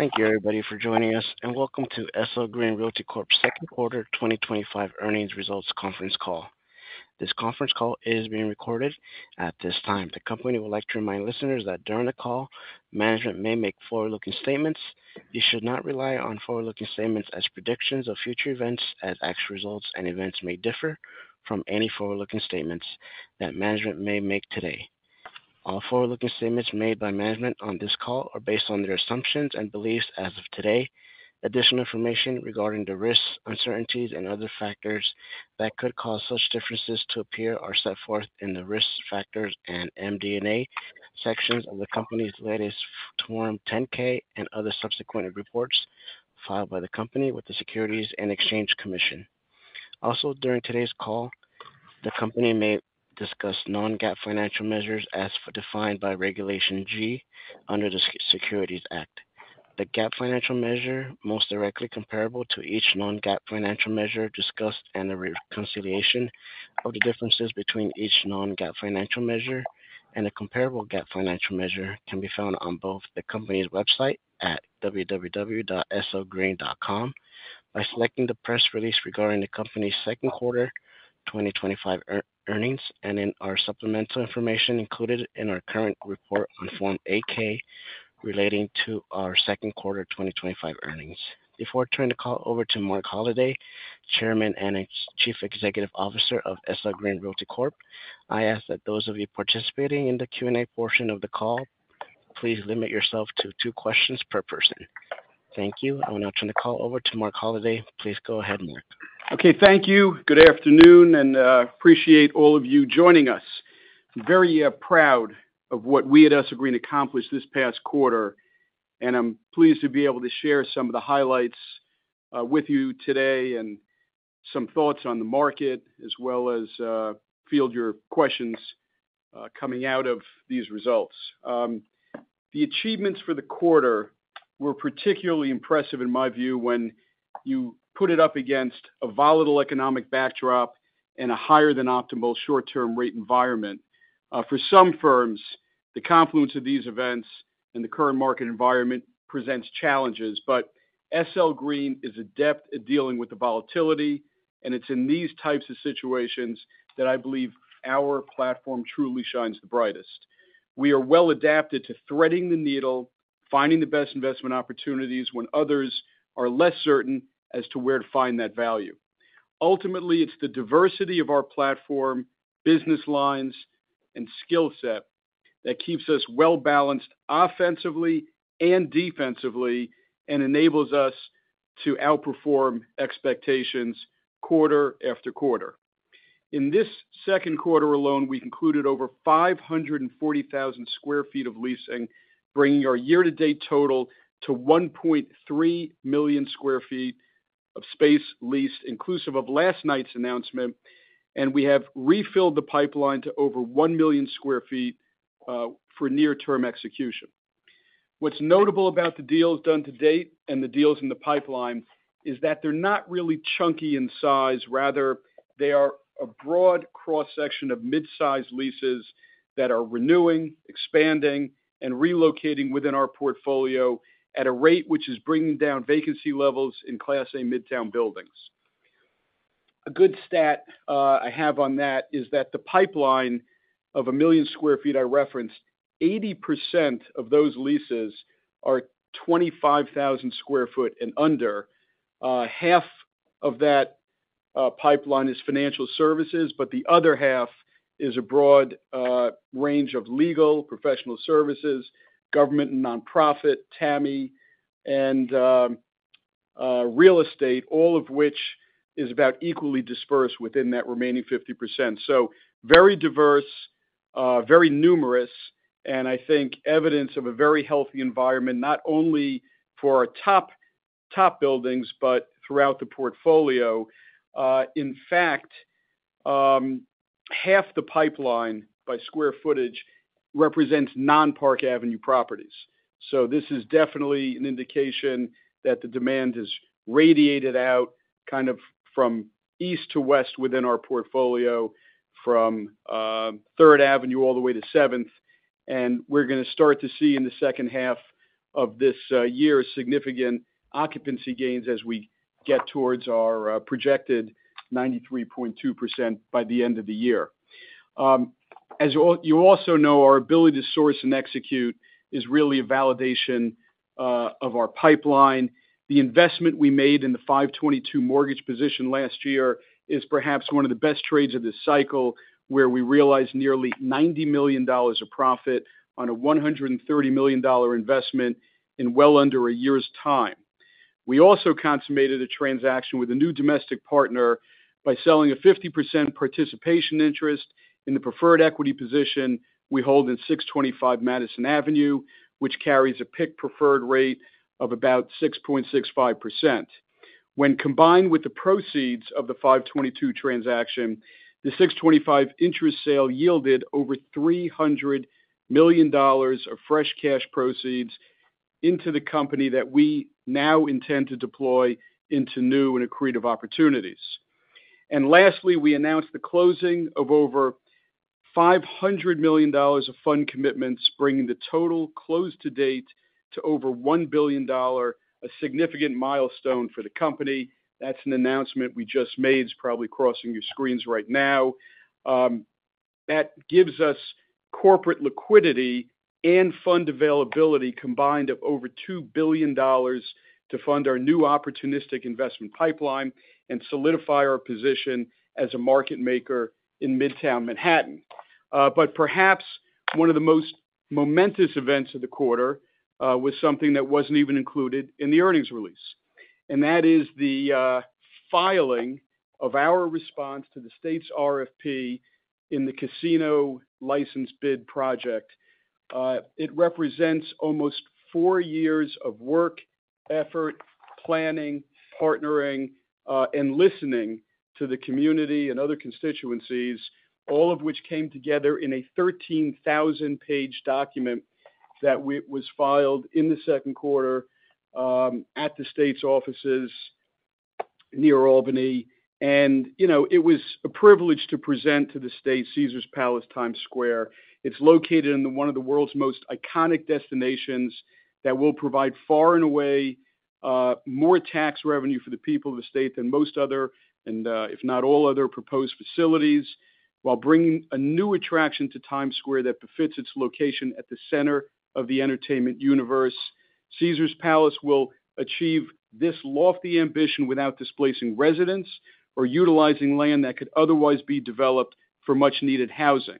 Thank you everybody for joining us, and welcome to Esso Green Realty Corp's Second Quarter twenty twenty five Earnings Results Conference Call. This conference call is being recorded. At this time. The company would like to remind listeners that during the call, management may make forward looking statements. You should not rely on forward looking statements as predictions of future events as actual results and events may differ from any forward looking statements that management may make today. All forward looking statements made by management on this call are based on their assumptions and beliefs as of today. Additional information regarding the risks, uncertainties and other factors that could cause such differences to appear are set forth in the Risk Factors and MD and A sections of the company's latest Form 10 ks and other subsequent reports filed by the company with the Securities and Exchange Commission. Also during today's call, the company may discuss non GAAP financial measures as defined by Regulation G under the Securities Act. The GAAP financial measure most directly comparable to each non GAAP financial measure discussed and a reconciliation of the differences between each non GAAP financial measure and the comparable GAAP financial measure can be found on both the company's website at www.eslgreen.com by selecting the press release regarding the company's second quarter twenty twenty five earnings and in our supplemental information included in our current report on Form eight ks relating to our second quarter twenty twenty five earnings. Before turning the call over to Mark Holliday, Chairman and Chief Executive Officer of SL Green Realty Corp, I ask that those of you participating in the q and a portion of the call, please limit yourself to two questions per person. Thank you. I will now turn the call over to Mark Holliday. Please go ahead, Mark. Okay. Thank you. Good afternoon, and appreciate all of you joining us. I'm very proud of what we at Essigreen accomplished this past quarter, and I'm pleased to be able to share some of the highlights with you today and some thoughts on the market as well as field your questions coming out of these results. The achievements for the quarter were particularly impressive in my view when you put it up against a volatile economic backdrop and a higher than optimal short term rate environment. For some firms, the confluence of these events and the current market environment presents challenges, but SL Green is adept at dealing with the volatility and it's in these types of situations that I believe our platform truly shines the brightest. We are well adapted to threading the needle, finding the best investment opportunities when others are less certain as to where to find that value. Ultimately, it's the diversity of our platform, business lines, and skill set that keeps us well balanced offensively and defensively and enables us to outperform expectations quarter after quarter. In this second quarter alone, we concluded over 540,000 square feet of leasing, bringing our year to date total to 1,300,000 square feet of space leased inclusive of last night's announcement. And we have refilled the pipeline to over 1,000,000 square feet for near term execution. What's notable about the deals done to date and the deals in the pipeline is that they're not really chunky in size, rather they are a broad cross section of mid sized leases that are renewing, expanding and relocating within our portfolio at a rate which is bringing down vacancy levels in Class A Midtown buildings. A good stat I have on that is that the pipeline of a million square feet I referenced, 80% of those leases are 25,000 square foot and under. Half of that pipeline is financial services, but the other half is a broad range of legal, professional services, government and nonprofit, Tammy and real estate, all of which is about equally dispersed within that remaining 50%. So very diverse, very numerous, and I think evidence of a very healthy environment, not only for our top buildings, but throughout the portfolio. In fact, half the pipeline by square footage represents non Park Avenue properties. So this is definitely an indication that the demand is radiated out kind of from east to west within our portfolio from Third Avenue all the way to Seventh. And we're going to start to see in the second half of this year significant occupancy gains as we get towards our projected 93.2% by the end of the year. As you also know, our ability to source and execute is really a validation of our pipeline. The investment we made in the 05/22 mortgage position last year is perhaps one of the best trades of this cycle where we realized nearly $90,000,000 of profit on a $130,000,000 investment in well under a year's time. We also consummated a transaction with a new domestic partner by selling a 50% participation interest in the preferred equity position we hold in 625 Madison Avenue, which carries a PIK preferred rate of about 6.65%. When combined with the proceeds of the 522 transaction, the 625 interest sale yielded over $300,000,000 of fresh cash proceeds into the company that we now intend to deploy into new and accretive opportunities. And lastly, we announced the closing of over $500,000,000 of fund commitments bringing the total close to date to over $1,000,000,000 a significant milestone for the company. That's an announcement we just made. It's probably crossing your screens right now. That gives us corporate liquidity and fund availability combined of over $2,000,000,000 to fund our new opportunistic investment pipeline and solidify our position as a market maker in Midtown Manhattan. But perhaps one of the most momentous events of the quarter was something that wasn't even included in the earnings release. And that is the filing of our response to the state's RFP in the casino license bid project. It represents almost four years of work, effort, planning, partnering and listening to the community and other constituencies, all of which came together in a 13,000 page document that was filed in the second quarter at the state's offices near Albany. And it was a privilege to present to the state Caesars Palace Times Square. It's located in one of the world's most iconic destinations that will provide far and away more tax revenue for the people of the state than most other, and if not all other proposed facilities, while bringing a new attraction to Times Square that befits its location at the center of the entertainment universe. Caesars Palace will achieve this lofty ambition without displacing residents or utilizing land that could otherwise be developed for much needed housing.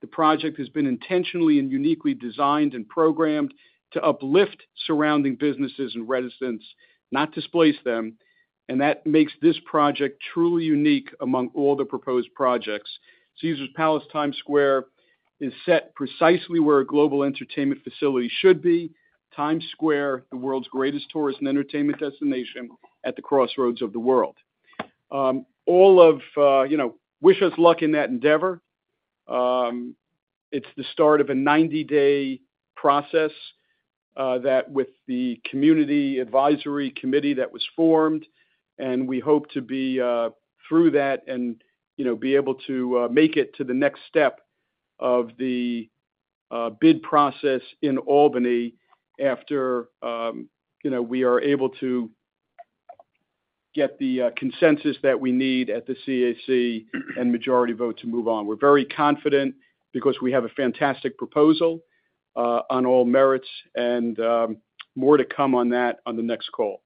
The project has been intentionally and uniquely designed and programmed to uplift surrounding businesses and residents, not displace them, And that makes this project truly unique among all the proposed projects. Caesars Palace Times Square is set precisely where a global entertainment facility should be. Times Square, the world's greatest tourist and entertainment destination at the crossroads of the world. Of, you know, wish us luck in that endeavor. It's the start of a ninety day process that with the community advisory committee that was formed, And we hope to be through that and be able to make it to the next step of the bid process in Albany after we are able to get the consensus that we need at the CAC and majority vote to move on. We're very confident because we have a fantastic proposal on all merits and more to come on that on the next call.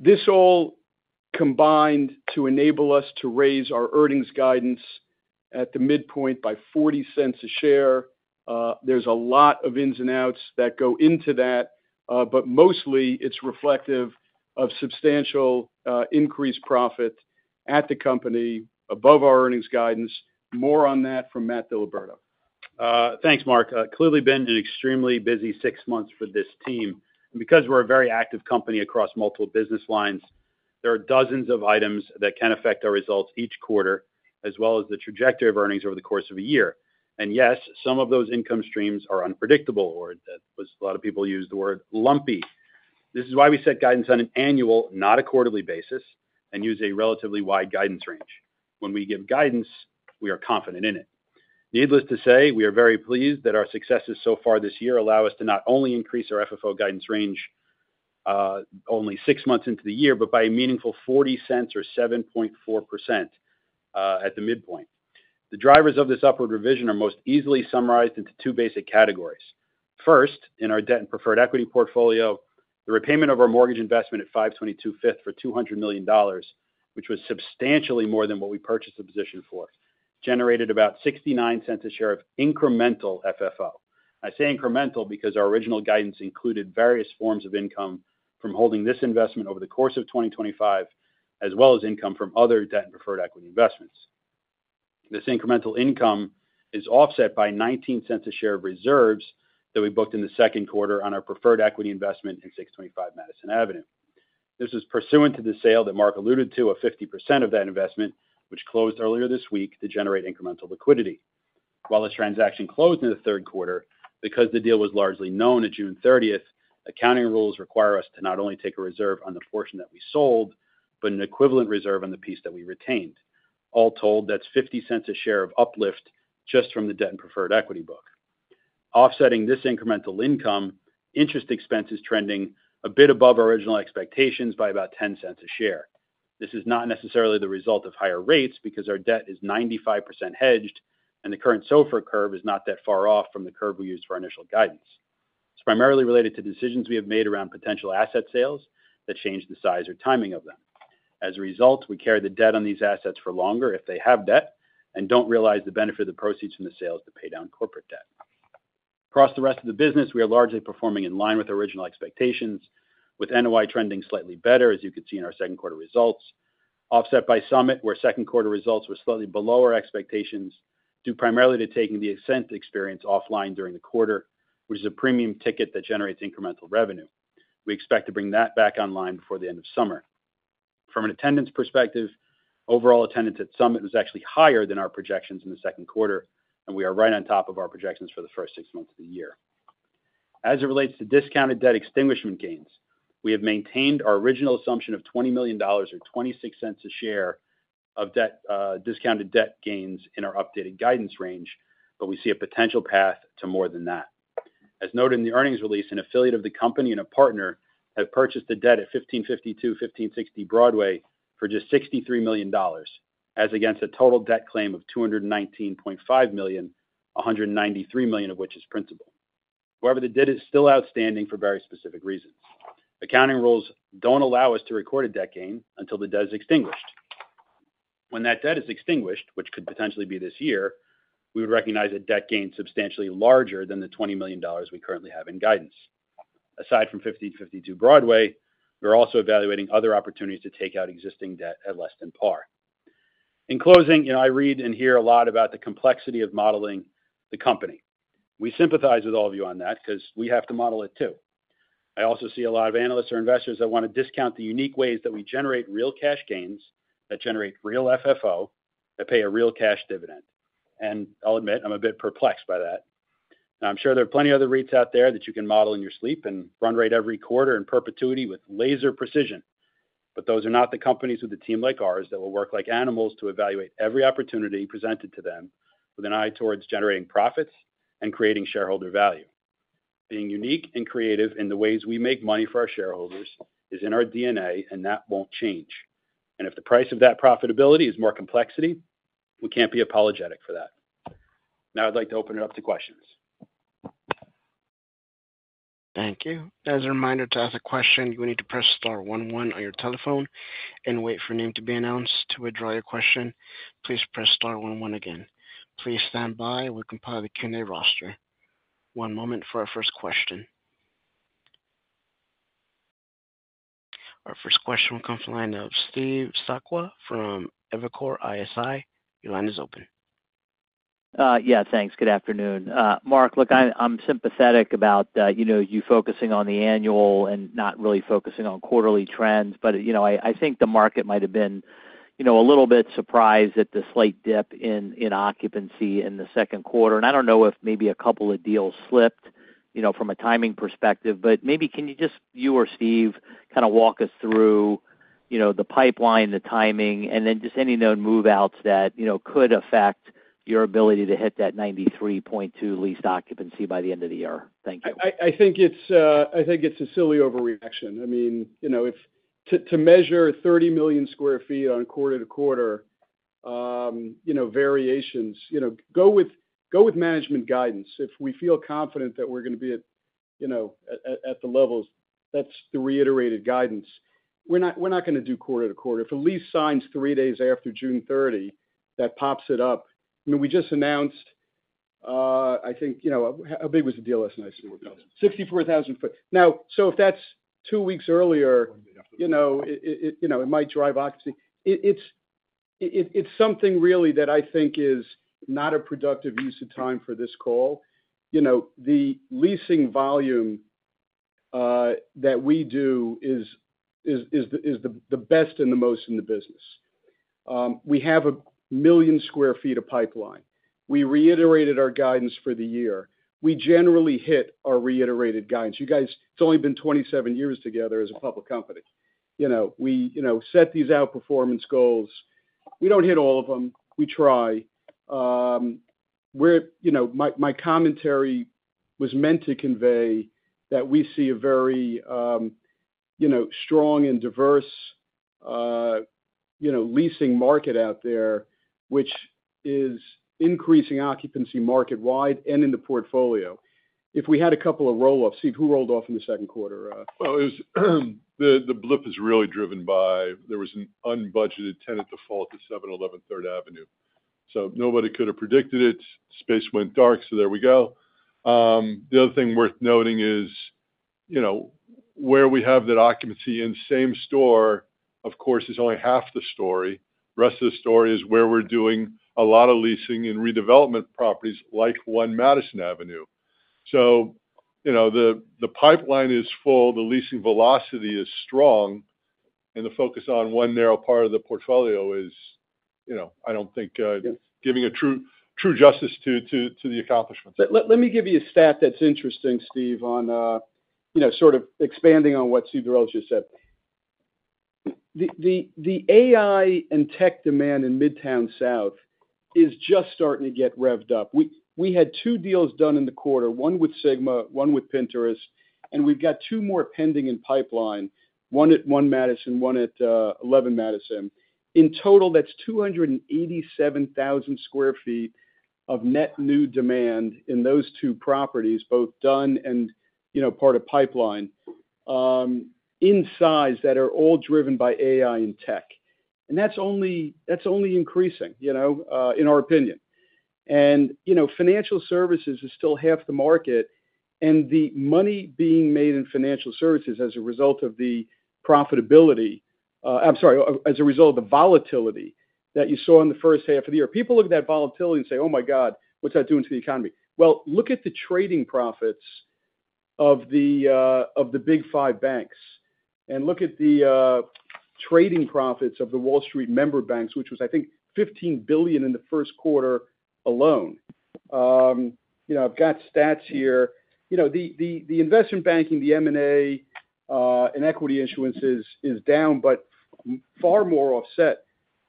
This all combined to enable us to raise our earnings guidance at the midpoint by $0.40 a share. There's a lot of ins and outs that go into that, but mostly it's reflective of substantial increased profit at the company, above our earnings guidance. More on that from Matt D'Iberto. Thanks, Mark. Clearly been an extremely busy six months for this team. Because we're a very active company across multiple business lines, there are dozens of items that can affect our results each quarter, as well as the trajectory of earnings over the course of a year. And yes, some of those income streams are unpredictable, or as a lot of people use the word lumpy. This is why we set guidance on an annual, not a quarterly basis, and use a relatively wide guidance range. When we give guidance, we are confident in it. Needless to say, we are very pleased that our successes so far this year allow us to not only increase our FFO guidance range only six months into the year, but by a meaningful $0.40 or 7.4% at the midpoint. The drivers of this upward revision are most easily summarized into two basic categories. First, in our debt and preferred equity portfolio, the repayment of our mortgage investment at May for $200,000,000 which was substantially more than what we purchased the position for, generated about $0.69 a share of incremental FFO. I say incremental because our original guidance included various forms of income from holding this investment over the course of 2025, as well as income from other debt and preferred equity investments. This incremental income is offset by $0.19 a share of reserves that we booked in the second quarter on our preferred equity investment in 625 Madison Avenue. This is pursuant to the sale that Mark alluded to of 50 of that investment, which closed earlier this week to generate incremental liquidity. While this transaction closed in the third quarter, because the deal was largely known at June 30, accounting rules require us to not only take a reserve on the portion that we sold, but an equivalent reserve on the piece that we retained. All told, that's $0.50 a share of uplift just from the debt and preferred equity book. Offsetting this incremental income, interest expense is trending a bit above our original expectations by about $0.10 a share. This is not necessarily the result of higher rates, because our debt is 95% hedged, and the current SOFR curve is not that far off from the curve we used for our initial guidance. It's primarily related to decisions we have made around potential asset sales that change the size or timing of them. As a result, we carry the debt on these assets for longer if they have debt and don't realize the benefit of proceeds from the sales to pay down corporate debt. Across the rest of the business, we are largely performing in line with original expectations, with NOI trending slightly better, as you can see in our second quarter results, offset by Summit, where second quarter results were slightly below our expectations due primarily to taking the Ascent experience offline during the quarter, which is a premium ticket that generates incremental revenue. We expect to bring that back online before the end of summer. From an attendance perspective, overall attendance at Summit was actually higher than our projections in the second quarter, and we are right on top of our projections for the first six months of the year. As it relates to discounted debt extinguishment gains, we have maintained our original assumption of $20,000,000 or $0.26 a share of discounted debt gains in our updated guidance range, but we see a potential path to more than that. As noted in the earnings release, an affiliate of the company and a partner have purchased a debt at 1550 Twofifteen 60 Broadway for just $63,000,000 as against a total debt claim of $219,500,000 $193,000,000 of which is principal. However, the debt is still outstanding for very specific reasons. Accounting rules don't allow us to record a debt gain until the debt is extinguished. When that debt is extinguished, which could potentially be this year, we would recognize a debt gain substantially larger than the $20,000,000 we currently have in guidance. Aside from $15.52 Broadway, we're also evaluating other opportunities to take out existing debt at less than par. In closing, you know, I read and hear a lot about the complexity of modeling the company. We sympathize with all of you on that because we have to model it too. I also see a lot of analysts or investors that want to discount the unique ways that we generate real cash gains, that generate real FFO, that pay a real cash dividend. And I'll admit, I'm a bit perplexed by that. Now I'm sure there are plenty of other REITs out there that you can model in your sleep and run rate every quarter in perpetuity with laser precision, but those are not the companies with a team like ours that will work like animals to evaluate every opportunity presented to them with an eye towards generating profits and creating shareholder value. Being unique and creative in the ways we make money for our shareholders is in our DNA, and that won't change. And if the price of that profitability is more complexity, we can't be apologetic for that. Now I'd like to open it up to questions. Thank you. Our first question will come from the line of Steve Sakwa from Evercore ISI. Your line is open. Yes, thanks. Good afternoon. Mark, look, I'm sympathetic about you focusing on the annual and not really focusing on quarterly trends. But I think the market might have been a little bit surprised at the slight dip in occupancy in the second quarter. And I don't know if maybe a couple of deals slipped from a timing perspective. But maybe can you just, you or Steve, kind of walk us through the pipeline, the timing, and then just any known move outs that could affect your ability to hit that 93.2% leased occupancy by the end of the year? Thank you. I think it's a silly To measure 30,000,000 square feet on quarter to quarter variations, go with management guidance. If we feel confident that we're going to be at the levels, that's the reiterated guidance. We're not going to do quarter to quarter. If a lease signs three days after June 30, that pops it up. I mean, we just announced, I think, how big was the deal? That's nice. 64,000 foot. Now, so if that's two weeks earlier, you know, it might drive occupancy. It's something really that I think is not a productive use of time for this call. You know, the leasing volume that we do is the best and the most in the business. We have a million square feet of pipeline. We reiterated our guidance for the year. We generally hit our reiterated guidance. You guys, it's only been twenty seven years together as a public company. We set these outperformance goals. We don't hit all of them. We try. My commentary was meant to convey that we see a very strong and diverse leasing market out there, which is increasing occupancy market wide and in the portfolio. If we had a couple of roll offs, Steve, who rolled off in the second quarter? The blip is really driven by, there was an unbudgeted tenant default at 07:11 Third Avenue. So nobody could have predicted it. Space went dark, so there we go. The other thing worth noting is, you know, where we have that occupancy in same store, of course, is only half the story. Rest of the story is where we're doing a lot of leasing and redevelopment properties like 1 Madison Avenue. So the pipeline is full, the leasing velocity is strong, and the focus on one narrow part of the portfolio is, I don't think giving a true justice to the accomplishments. Let me give you a stat that's interesting, Steve, on sort of expanding on what Steve Dorel just said. The AI and tech demand in Midtown South is just starting to get revved up. We had two deals done in the quarter, one with Sigma, one with Pinterest, and we've got two more pending in pipeline, one at One Madison, one at 11 Madison. In total, that's 287,000 square feet of net new demand in those two properties, both done and part of pipeline in size that are all driven by AI and tech. And that's only increasing, you know, in our opinion. And, you know, financial services is still half the market and the money being made in financial services as a result of the profitability, I'm sorry, as a result of the volatility that you saw in the first half of the year. People look at that volatility and say, oh my God, what's that doing to the economy? Well, look at the trading profits of the, of the big five banks and look at the trading profits of the Wall Street member banks, which was I think $15,000,000,000 in the first quarter alone. I've got stats here. The investment banking, the M and A and equity issuances is down, but far more offset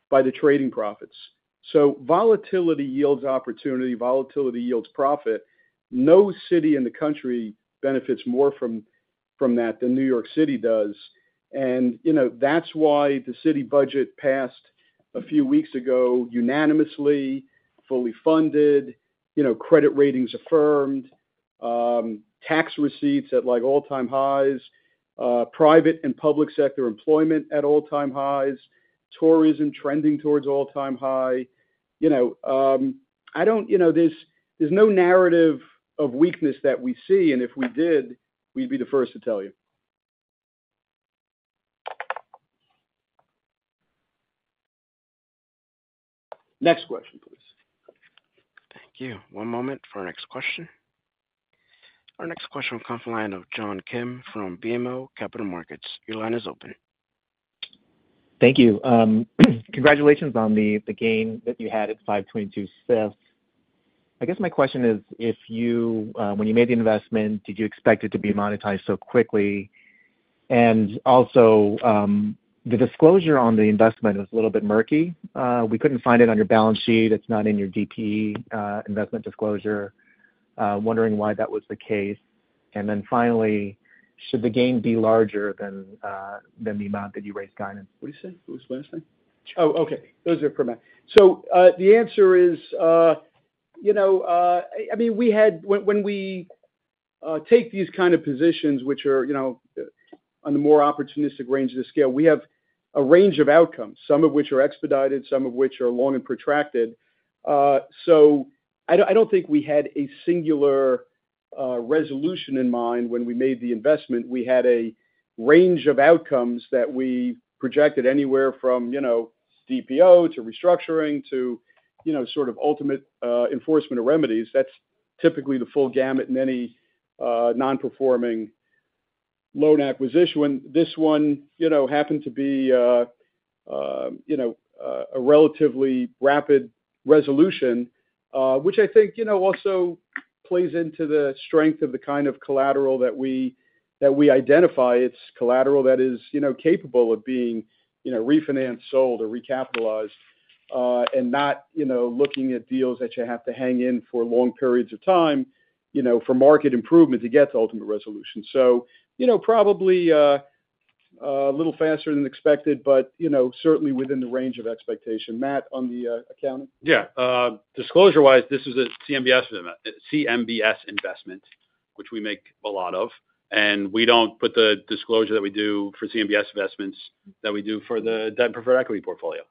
by the trading profits. So volatility yields opportunity, volatility yields profit. No city in the country benefits more from that than New York City does. And that's why the city budget passed a few weeks ago unanimously, fully funded, credit ratings affirmed, tax receipts at like all time highs, private and public sector employment at all time highs, tourism trending towards all time high. There's no narrative of weakness that we see. And if we did, we'd be the first to tell you. Next question, please. Thank you. One moment for our next question. Our next question will come from the line of John Kim from BMO Capital Markets. Your line is open. Thank you. Congratulations on the gain that you had at five twenty two Fifth. I guess my question is, if you, when you made the investment, did you expect it to be monetized so quickly? And also, the disclosure on the investment was a little bit murky. We couldn't find it on your balance sheet. It's not in your DP investment disclosure. Wondering why that was the case. And then finally, should the gain be larger than the amount that you raised guidance? What did say? What was the last thing? Oh, okay. Those are permanent. So the answer is, you know, I mean, had, when we take these kinds of positions, are, you know, on the more opportunistic range of the scale, we have a range of outcomes, some of which are expedited, some of which are long and protracted. So I think we had a singular resolution in mind when we made the investment. We had a range of outcomes that we projected anywhere from, you know, DPO to restructuring to, you know, sort of ultimate enforcement of remedies. That's typically the full gamut in any non performing loan acquisition. And this one, you know, happened to be, you know, a relatively rapid resolution, which I think also plays into the strength of the kind of collateral that we identify. It's collateral that is capable of being refinanced, sold, or recapitalized and not looking at deals that you have to hang in for long periods of time for market improvement to get to ultimate resolution. So probably a little faster than expected, but certainly within the range of expectation. Matt, on the accounting? Yeah, disclosure wise, this is a CMBS investment, which we make a lot of, and we don't put the disclosure that we do for CMBS investments that we do for the debt preferred equity portfolio.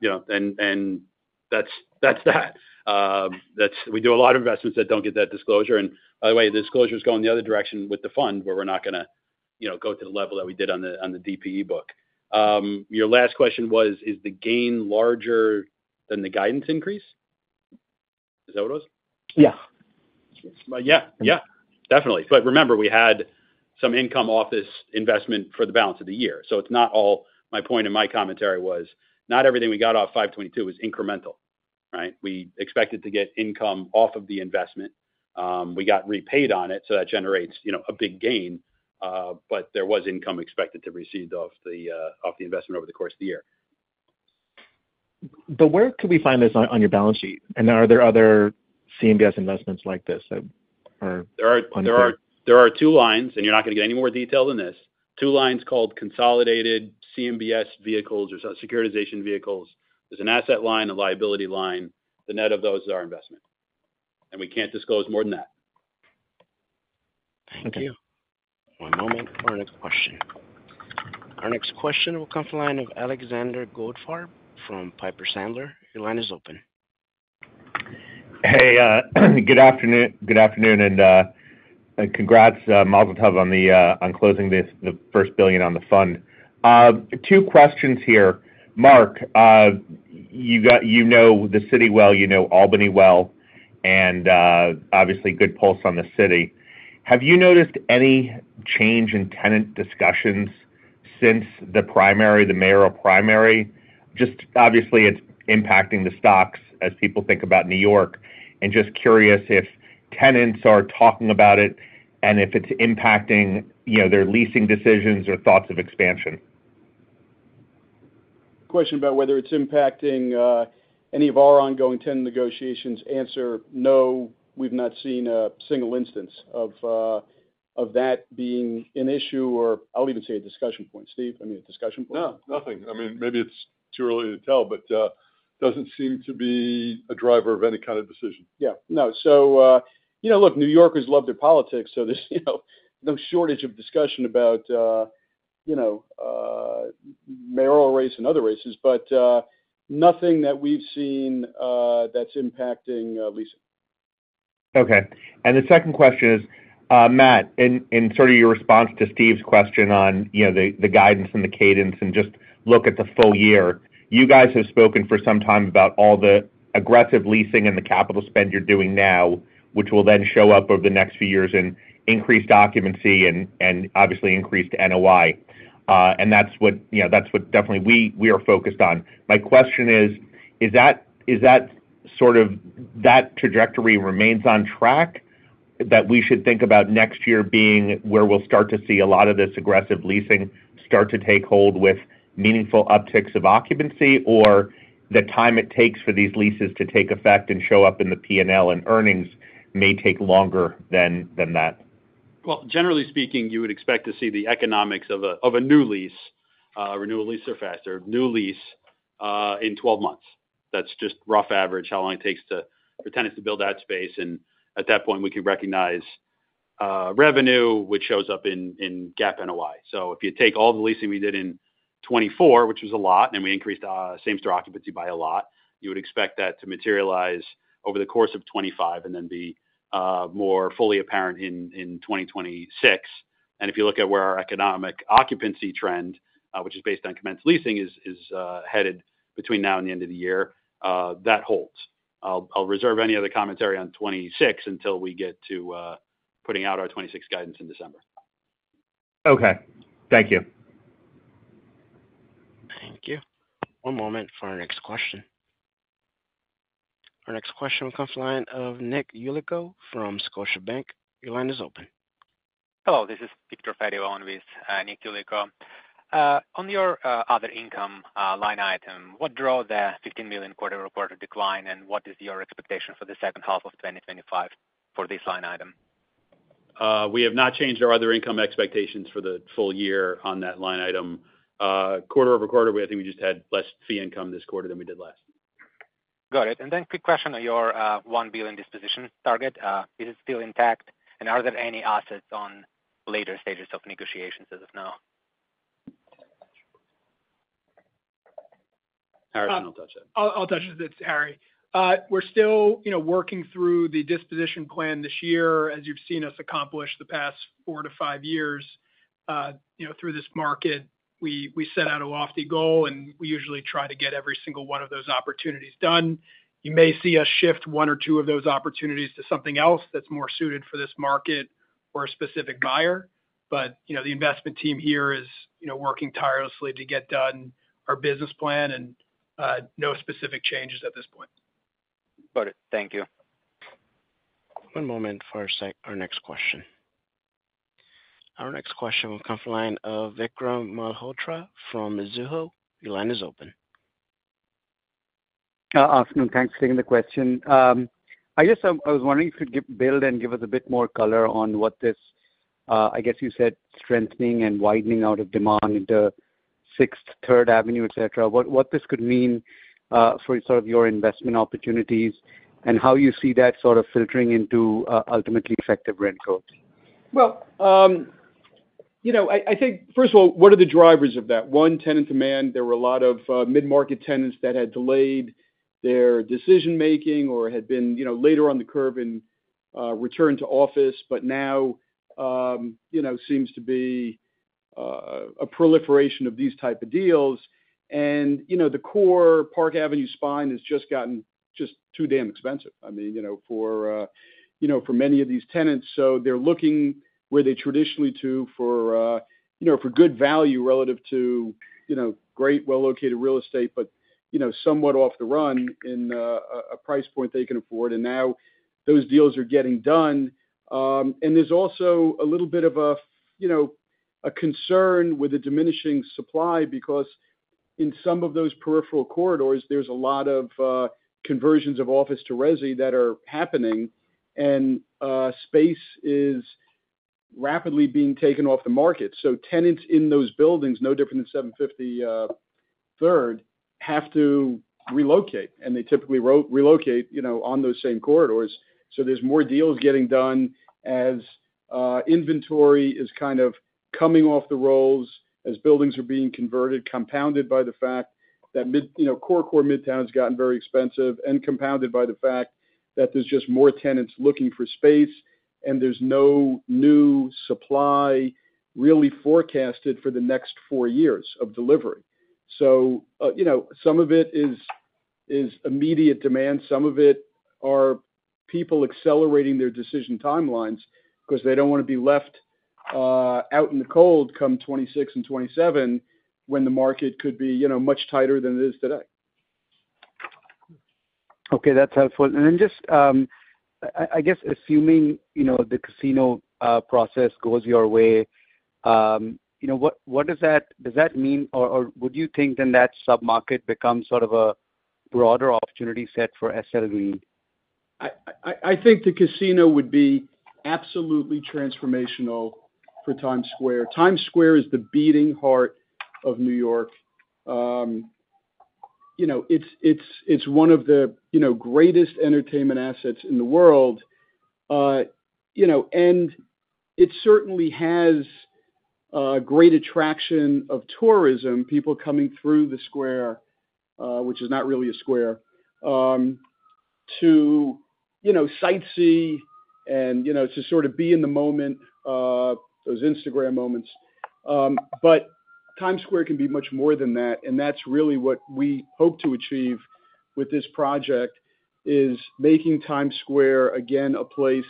You know, and that's that. We do a lot of investments that don't get that disclosure. By the way, the disclosures go in the other direction with the fund where we're not gonna, you know, go to the level that we did on DPE book. Your last question was, is the gain larger than the guidance increase? Is that what it was? Yeah. Yeah, definitely. But remember, we had some income off this investment for the balance of the year. So it's not all my point and my commentary was, not everything we got off 05/22 was incremental, right? We expected to get income off of the investment. We got repaid on it, so that generates, you know, a big gain, but there was income expected to be received off the, off the investment over the course of the year. But where could we find this on your balance sheet? And are there other CMBS investments like this? Are there are two lines, and you're not gonna get any more detail than this, Two lines called consolidated CMBS vehicles or securitization vehicles. There's an asset line, a liability line. The net of those is our investment, and we can't disclose more than that. Thank you. One moment for our next question. Our next question will come from the line of Alexander Goldfarb from Piper Sandler. Your line is open. Hey, good afternoon and congrats Mazatub on closing the first $1,000,000,000 on the fund. Two questions here. Mark, you know the city well, you know Albany well, and obviously good pulse on the city. Have you noticed any change in tenant discussions since the primary, the mayoral primary? Just obviously it's impacting the stocks as people think about New York and just curious if tenants are talking about it and if it's impacting their leasing decisions or thoughts of expansion. Question about whether it's impacting any of our ongoing tenant negotiations, answer, no. We've not seen a single instance of that being an issue or I'll even say a discussion point. Steve, I mean a discussion point? No, nothing. I mean, maybe it's too early to tell, but doesn't seem to be a driver of any kind of decision. Yeah, no. Look, New Yorkers love their politics. So there's no shortage of discussion about mayoral race and other races, but nothing that we've seen that's impacting Lisa. Okay. And the second question is, Matt, in sort of your response to Steve's question on the guidance and the cadence and just look at the full year, you guys have spoken for some time about all the aggressive leasing and the capital spend you're doing now, which will then show up over the next few years in increased occupancy and obviously increased NOI. And that's what definitely we are focused on. My question is, is that sort of that trajectory remains on track that we should think about next year being where we'll start to see a lot of this aggressive leasing start to take hold with meaningful upticks of occupancy or the time it takes for these leases to take effect and show up in the P and L and earnings may take longer than that? Well, generally speaking, you would expect to see the economics of a new lease, renewal leases are faster, new lease, in twelve months. That's just rough average, how long it takes for tenants to build that space, and at that point, we can recognize, revenue which shows up in in GAAP NOI. So if you take all the leasing we did in '24, which was a lot, and we increased, same store occupancy by a lot, you would expect that to materialize over the course of '25 and then be more fully apparent in 2026. And if you look at where our economic occupancy trend, which is based on commenced leasing, is headed between now and the end of the year, that holds. I'll reserve any other commentary on '26 until we get to, putting out our '26 guidance in December. Okay. Thank you. Thank you. One moment for our next question. Our next question will come from the line of Nick Yulico from Scotiabank. Your line is open. Hello. This is Victor Feddevon with Nick Yulico. On your other income line item, what drove the $15,000,000 quarter over quarter decline? And what is your expectation for the 2025 for this line item? We have not changed our other income expectations for the full year on that line item. Quarter over quarter, I think we just had less fee income this quarter than we did last. Got it. And then quick question on your 1,000,000,000 disposition target. Is it still intact? And are there any assets on later stages of negotiations as of now? Harry, don't touch it. I'll touch it. It's Harry. We're still working through the disposition plan this year as you've seen us accomplish the past four to five years through this market, we set out a lofty goal and we usually try to get every single one of those opportunities done. You may see a shift one or two of those opportunities to something else that's more suited for this market or a specific buyer. But the investment team here is working tirelessly to get done our business plan and no specific changes at this point. Got it. Thank you. One moment for our next question. Our next question will come from the line of Vikram Malhotra from Mizuho. Your line is open. Afternoon. Thanks for taking the question. I guess I was wondering if you could build and give us a bit more color on what this I guess you said strengthening and widening out of demand into Sixth, Third Avenue, etcetera. What this could mean, for sort of your investment opportunities and how you see that sort of filtering into, ultimately effective rent growth? Well, you know, I think first of all, what are the drivers of that? One tenant demand, there were a lot of mid market tenants that had delayed their decision making or had been, you know, later on the curve and returned to office, but now, you know, seems to be a proliferation of these type of deals. And, you know, the core Park Avenue spine has just gotten just too damn expensive, I mean, for many of these tenants. So they're looking where they traditionally to for good value relative to great, well located real estate, but you know, somewhat off the run-in a price point they can afford. And now those deals are getting done. And there's also a little bit of a, you know, a concern with the diminishing supply because in some of those peripheral corridors, there's a lot of conversions of office to resi that are happening and space is rapidly being taken off the market. So tenants in those buildings, different than seven fifty third have to relocate and they typically relocate on those same corridors. So there's more deals getting done as inventory is kind of coming off the rolls as buildings are being converted, compounded by the fact that mid, you know, core, core Midtown has gotten very expensive and compounded by the fact that there's just more tenants looking for space. And there's no new supply really forecasted for the next four years of delivery. So, know, some of it is immediate demand. Some of it are people accelerating their decision timelines because they don't want to be left out in the cold come '26 and '27 when the market could be, you know, much tighter than it is today. Okay. That's helpful. And then just, I guess assuming, you know, the casino, process goes your way, what does that does that mean or would you think then that submarket becomes sort of a broader opportunity set for SL Green? I think the casino would be absolutely transformational for Times Square. Times Square is the beating heart of New York. You know, it's one of the, you know, greatest entertainment assets in the world, And it certainly has great attraction of tourism, people coming through the square, which is not really a square, to sightsee and to sort of be in the moment, those Instagram moments. But Times Square can be much more than that. And that's really what we hope to achieve with this project is making Times Square again a place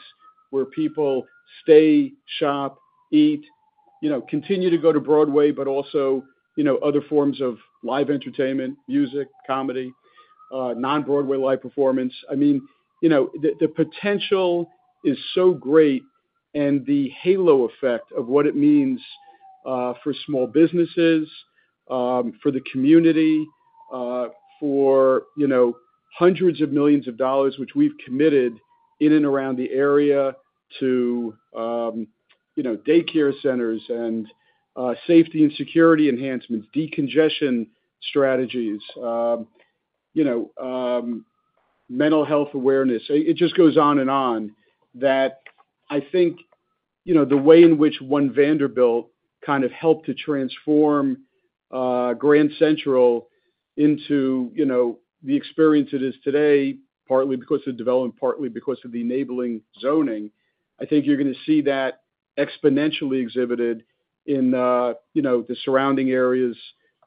where people stay, shop, eat, continue to go to Broadway, but also other forms of live entertainment, music, comedy, non Broadway live performance. I mean, you know, the potential is so great and the halo effect of what it means for small businesses, for the community, for, you know, hundreds of millions of dollars which we've committed in and around the area to daycare centers and safety and security enhancements, decongestion strategies, mental health awareness. It just goes on and on that I think the way in which One Vanderbilt kind of helped to transform Grand Central into the experience it is today, partly because of development, partly because of the enabling zoning. I think you're going to see that exponentially exhibited in the surrounding areas,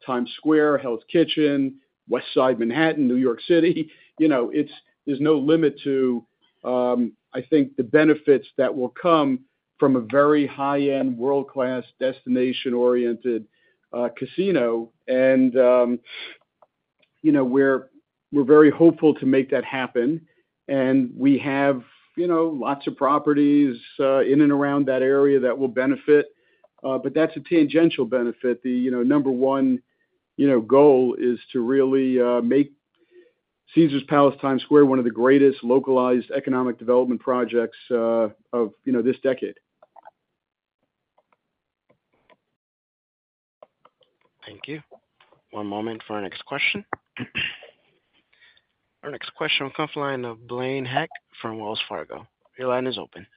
Times Square, Health Kitchen, West Side Manhattan, New York City. There's no limit to, I think the benefits that will come from a very high end world class destination oriented casino. And we're very hopeful to make that happen. And we have lots of properties in and around that area that will benefit. But that's a tangential benefit. The number one goal is to really make Caesars Palace Times Square one of the greatest localized economic development projects of this decade. Thank you. One moment for our next question. Our next question will come from the line of Blaine Heck from Wells Fargo. Your line is open.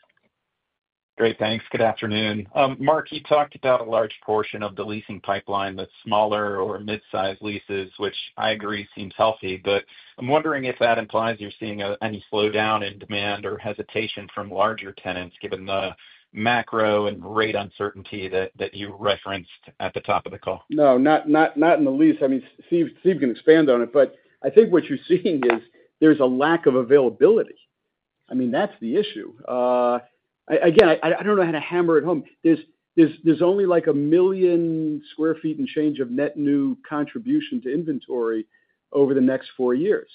Great. Thanks. Good afternoon. Mark, you talked about a large portion of the leasing pipeline that's smaller or mid sized leases, which I agree seems healthy. But I'm wondering if that implies you're seeing any slowdown in demand or hesitation from larger tenants given the macro and rate uncertainty that you referenced at the top of the call? No, not in the least. I mean, Steve can expand on it, but I think what you're seeing is there's a lack of availability. I mean, that's the issue. Again, I don't know how to hammer it home. There's only like a million square feet and change of net new contribution to inventory over the next four years.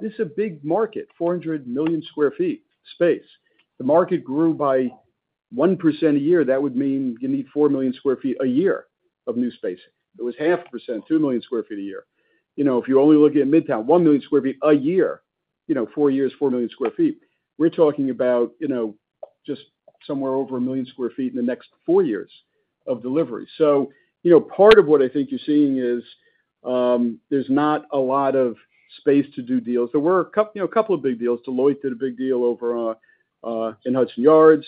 This is a big market, 400,000,000 square feet space. The market grew by 1% a year, that would mean you need 4,000,000 square feet a year of new space. It was half a percent, 2,000,000 square feet a year. You know, if you only look at Midtown, 1,000,000 square feet a year, you know, four years, 4,000,000 square feet, we're talking about, you know, just somewhere over a million square feet in the next four years of delivery. So part of what I think you're seeing is there's not a lot of space to do deals. There were a couple of big deals. Deloitte did a big deal over in Hudson Yards.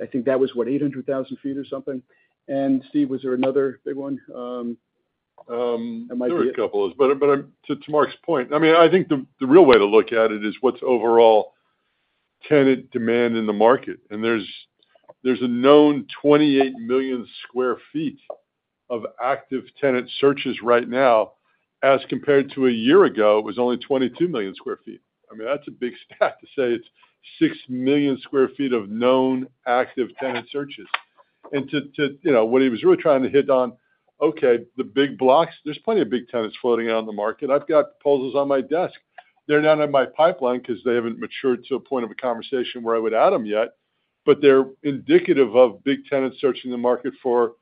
I think that was what, 800,000 feet or something. And Steve, there another big one? There were a couple of those, to Mark's point, I I think the real way to look at it is what's overall tenant demand in the market. And there's there's a known 28,000,000 square feet of active tenant searches right now. As compared to a year ago, it was only 22,000,000 square feet. I mean, that's a big stat to say it's 6,000,000 square feet of known active tenant searches. And to to you know, what he was really trying to hit on, okay, the big blocks, there's plenty of big tenants floating out in the market. I've got proposals on my desk. They're not in my pipeline because they haven't matured to a point of a conversation where I would add them yet, but they're indicative of big tenants searching the market for,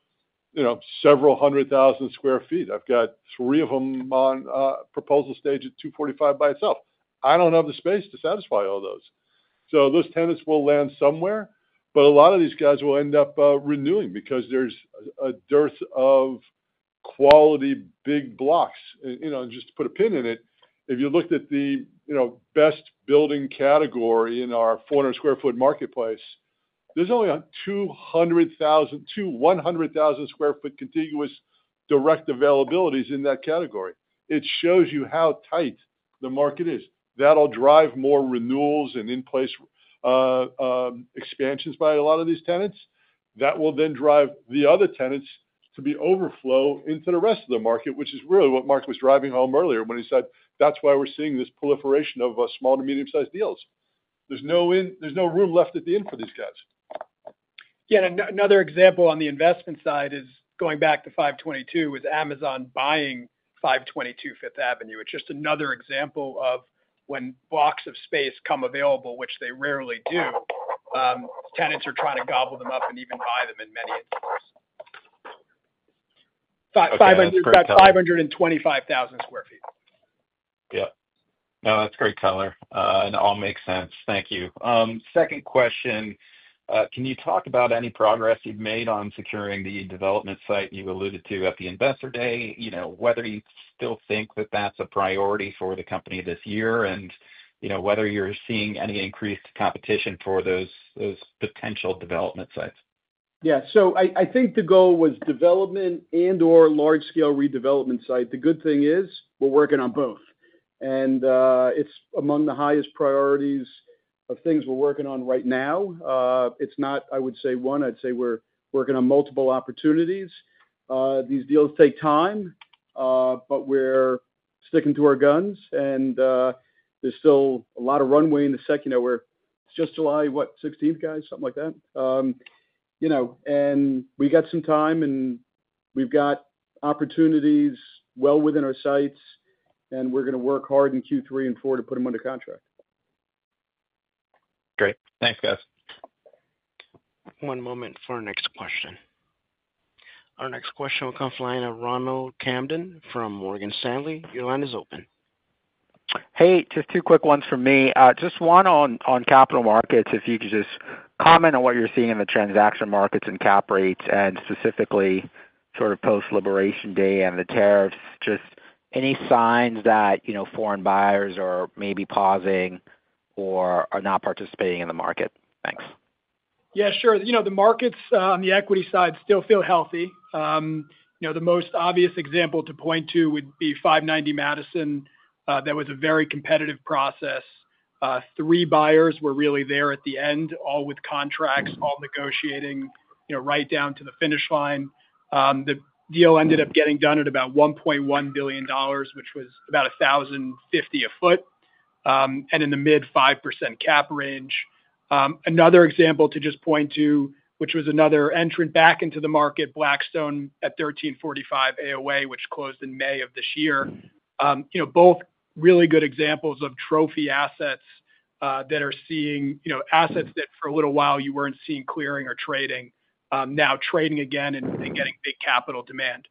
you know, 100,000 square feet. I've got three of them on proposal stage at two forty five by itself. I don't have the space to satisfy all those. So those tenants will land somewhere, but a lot of these guys will end up renewing because there's a dearth of quality big blocks. Know, just to put a pin in it, if you looked at the best building category in our 400 square foot marketplace, there's only 2,000 to 100,000 square foot contiguous direct availabilities in that category. It shows you how tight the market is. That'll drive more renewals and in place expansions by a lot of these tenants. That will then drive the other tenants to be overflow into the rest of the market, which is really what Mark was driving home earlier when he said, that's why we're seeing this proliferation of small to medium sized deals. There's no room left at the end for these guys. Yeah. Another example on the investment side is going back to 522 with Amazon buying 522 Fifth Avenue. It's just another example of when blocks of space come available, which they rarely do. Tenants are trying to gobble them up and even buy them in many 125,000 square feet. Yeah. No, that's great color. It all makes sense. Thank you. Second question, can you talk about any progress you've made securing the development site you alluded to at the Investor Day, whether you still think that that's a priority for the company this year and whether you're seeing any increased competition for those potential development sites? Yeah, so I think the goal was development and or large scale redevelopment site. The good thing is we're working on both. And it's among the highest priorities of things we're working on right now. It's not, I would say one, I'd say we're working on multiple opportunities. These deals take time, but we're sticking to our guns and there's still a lot of runway in the second hour. It's just July, what, sixteenth guys, something like that. You know, and we got some time and we've got opportunities well within our sites and we're going to work hard in Q3 and '4 to put them under contract. Great. Thanks, guys. One moment for our next question. Our next question will come from the line of Ronald Kamdem from Morgan Stanley. Your line is open. Hey, just two quick ones for me. Just one on capital markets, if you could just comment on what you're seeing in the transaction markets and cap rates and specifically sort of post Liberation Day and the tariffs. Just any signs that foreign buyers are maybe pausing or are not participating in the market? Thanks. Yes, sure. The markets on the equity side still feel healthy. The most obvious example to point to would be 5 90 Madison. That was a very competitive process. Three buyers were really there at the end, all with contracts, all negotiating right down to the finish line. The deal ended up getting done at about $1,100,000,000 which was about $10.50 dollars a foot and in the mid 5% cap range. Another example to just point to, which was another entrant back into the market, Blackstone at $13.45 AOA, which closed in May. Both really good examples of trophy assets that are seeing assets that for a little while you weren't seeing clearing or trading now trading again and getting big capital demand.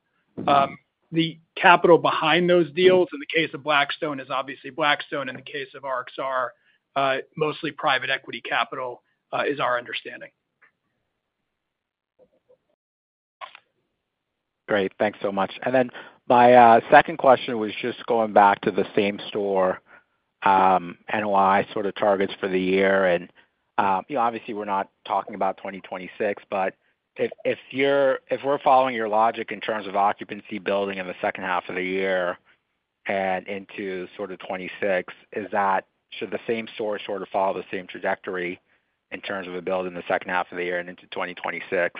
The capital behind those deals in the case of Blackstone is obviously Blackstone in the case of RXR mostly private equity capital is our understanding. Great. Thanks so much. And then my second question was just going back to the same store NOI sort of targets for the year. And obviously, we're not talking about 2026. But if you're if we're following your logic in terms of occupancy building in the second half of the year and into sort of 'twenty six, is that should the same store sort of follow the same trajectory in terms of a build in the second half of the year and into 2026?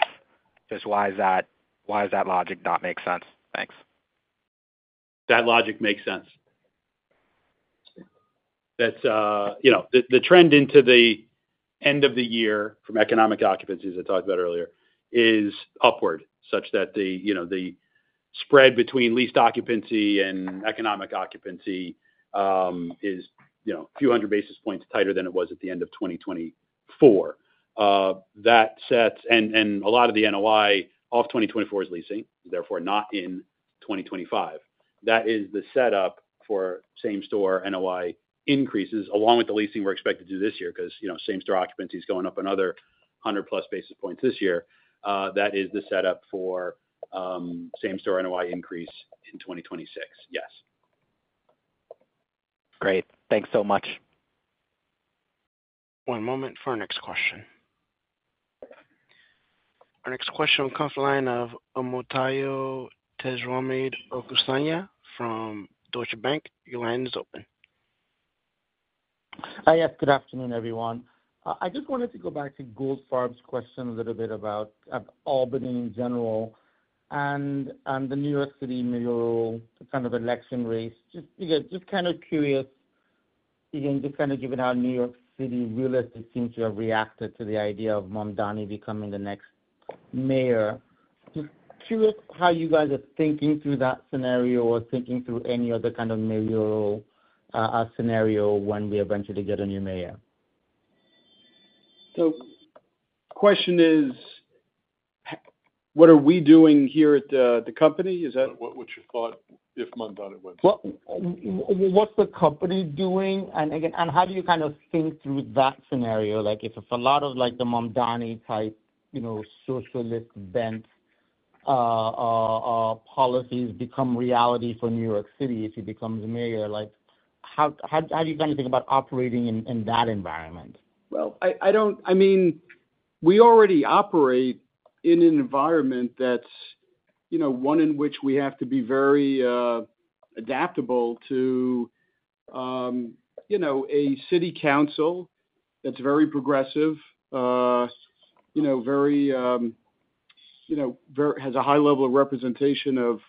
Just why that logic not make sense? Thanks. That logic makes sense. That's, you know, the trend into the end of the year from economic occupancies I talked about earlier is upward, such that the spread between leased occupancy and economic occupancy, is, you know, a few 100 basis points tighter than it was at the end of twenty twenty four. That sets and a lot of the NOI of 2024 is leasing, therefore not in 2025. That is the setup for same store NOI increases along with the leasing we're expected to do this year, because, know, same store occupancy is going up another 100 plus basis points this year. That is the setup for, same store NOI increase in 2026. Yes. Great. Thanks so much. One moment for our next question. Our next question comes from the line of Omotayo Tejramid Okusanya from Deutsche Bank. Your line is open. Hi. Yes. Good afternoon, everyone. I just wanted to go back to Goldfarb's question a little bit about Albany in general and and the New York City, middle kind of election race. Just, you know, just kind of curious, you know, just kind of given how New York City real estate seems to have reacted to the idea of Mamdani becoming the next mayor. Curious how you guys are thinking through that scenario or thinking through any other kind of mayoral scenario when we eventually get a new mayor. So question is, what are we doing here at the company? Is that what what you thought if Mamdani went? What's the company doing? And, again, and how do you kind of think through that scenario? Like, if it's a lot of, like, the Mamdani type, you know, socialist bent policies become reality for New York City if he becomes mayor, like, how how do you plan to think about operating in in that environment? Well, I I don't I mean, we already operate in an environment that's one in which we have to be very adaptable to a city council that's very progressive, know, has a high level of representation of,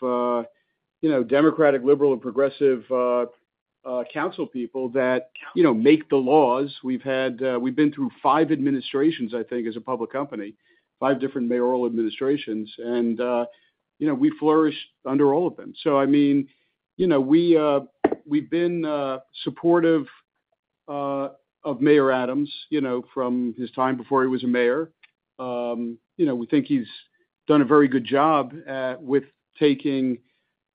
you know, democratic, liberal and progressive council people that, you know, make the laws. We've had, we've been through five administrations, I think, as a public company, five different mayoral administrations. And we flourished under all of them. So I mean, we've been supportive of Mayor Adams from his time before he was a mayor. You know, we think he's done a very good job with taking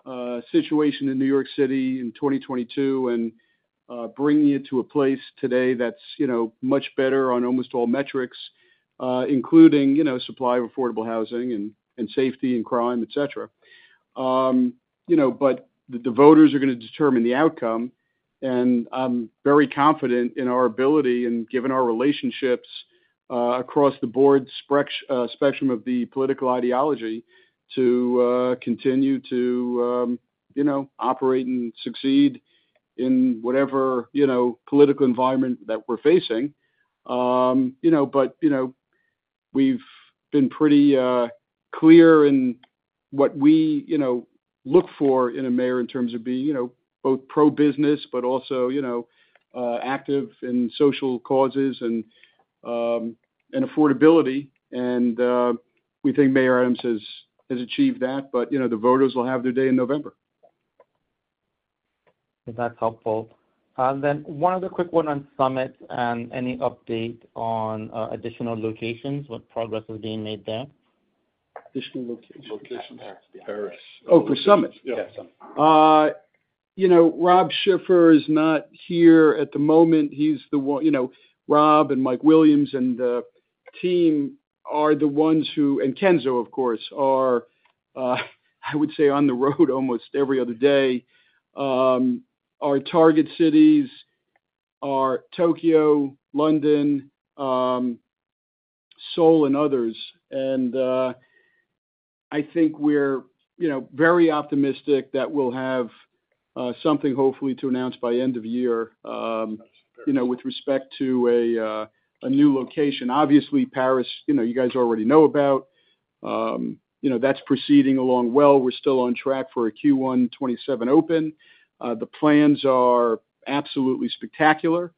a situation in New York City in 2022 and bringing it to a place today that's, you know, much better on almost all metrics, including supply of affordable housing and safety and crime, etcetera. But the voters are going to determine the outcome. And I'm very confident in our ability and given our relationships across the board spectrum of the political ideology to continue to operate and succeed in whatever political environment that we're facing. But we've been pretty clear in what we look for in a mayor in terms of being both pro business, but also active in social causes and and affordability. And, we think mayor Adams has has achieved that, but, you know, the voters will have their day in November. That's helpful. And then one other quick one on Summit and any update on additional locations? What progress is being made there? Additional locations. Locations. Oh, for Summit. Yeah. You know, Rob Schiffer is not here at the moment. He's the one you know, Rob and Mike Williams and the team are the ones who and Kenzo, of course, are, I would say, on the road almost every other day. Our target cities are Tokyo, London, Seoul and others. And I think we're very optimistic that we'll have something hopefully to announce by end of year with respect to a new location. Obviously Paris, you guys already know about. That's proceeding along well. We're still on track for a Q1 twenty seven Open. The plans are absolutely spectacular.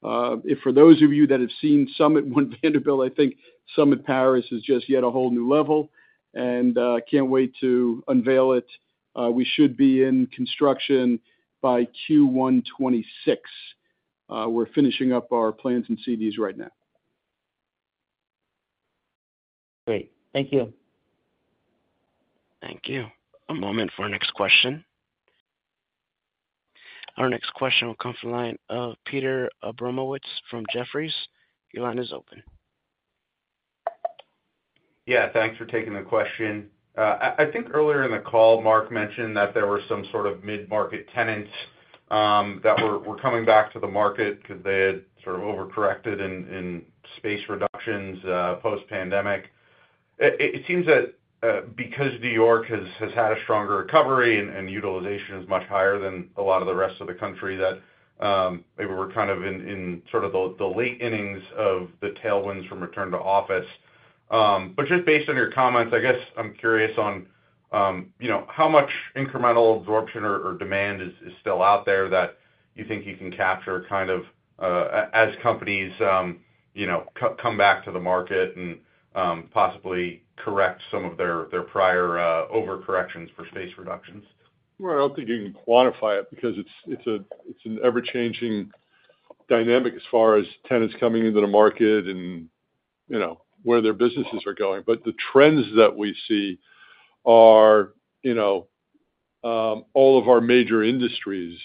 For those of you that have seen Summit One Vanderbilt, I think Summit Paris is just yet a whole new level and can't wait to unveil it. We should be in construction by Q1 twenty six. We're finishing up our plans and CDs right now. Great. Thank you. Thank you. One moment for our next question. Our next question will come from the line of Peter Abramowitz from Jefferies. Your line is open. Yeah, thanks for taking the question. I think earlier in the call, Mark mentioned that there were some sort of mid market tenants that were coming back to the market because they had sort of overcorrected in space reductions post pandemic. It seems that because New York has had a stronger recovery and utilization is much higher than a lot of the rest of the country, that maybe we're kind of in sort of the late innings of the tailwinds from return to office. But just based on your comments, I guess I'm curious on how much incremental absorption or demand is still out there that you think you can capture kind of as companies come back to the market and possibly correct some of their prior overcorrections for space reductions? Well, don't think you can quantify it because it's an ever changing dynamic as far as tenants coming into the market and where their businesses are going. But the trends that we see are all of our major industries